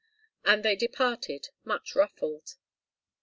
And they departed, much ruffled.